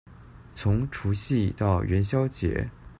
從除夕到元宵節